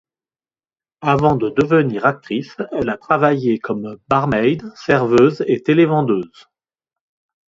Avant de devenir actrice, elle a travaillé comme barmaide, serveuse et télévendeuse.